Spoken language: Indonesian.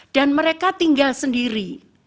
dan mereka tinggal sendiri